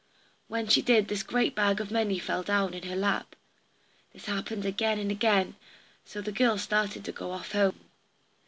When she did this a great bag of money fell down in her lap. This happened again and again. So the girl started to go off home.